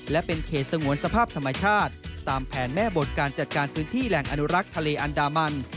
และเป็นเขตสงวนสภาพธรรมชาติตามแผนแม่บทการจัดการพื้นที่แหล่งอนุรักษ์ทะเลอันดามัน